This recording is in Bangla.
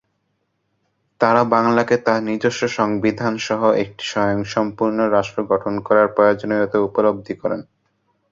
তারা বাংলাকে তার নিজস্ব সংবিধানসহ একটি স্বয়ংসম্পূর্ণ রাষ্ট্র গঠন করার প্রয়োজনীয়তা উপলব্ধি করেন।